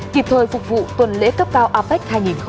kịp thời phục vụ tuần lễ cấp cao apec hai nghìn một mươi bảy